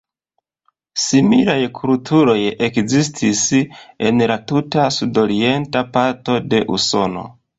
Similaj kulturoj ekzistis en la tuta sudorienta parto de Usono.